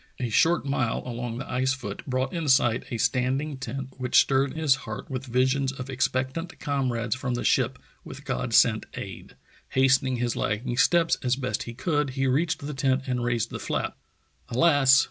A short mile along the ice foot brought in sight a standing tent which stirred his heart with visions of expectant comrades from the ship with God sent aid. Hastening his lagging steps as best he could, he reached the tent and raised the flap. Alas!